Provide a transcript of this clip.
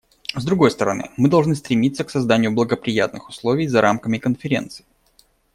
С другой стороны, мы должны стремиться к созданию благоприятных условий за рамками Конференции.